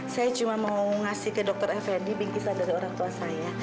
saya cuma mau ngasih ke dokter effendi bingkisan dari orang tua saya